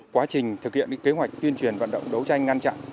quá trình thực hiện kế hoạch tuyên truyền vận động đấu tranh ngăn chặn